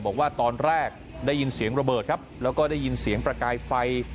บอกว่าตอนแรกได้ยินเสียงระเบิดครับแล้วก็ได้ยินเสียงประกายไฟ